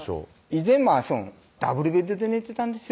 以前ダブルベッドで寝てたんですよ